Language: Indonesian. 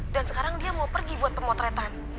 dan sekarang dia mau pergi buat pemotretan